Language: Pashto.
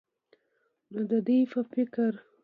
نو د دوي په فکر